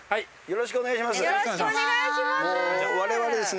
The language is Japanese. よろしくお願いします。